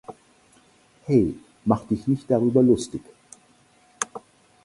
Hey, mach dich nicht darüber lustig!